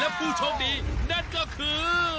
และผู้โชคดีนั่นก็คือ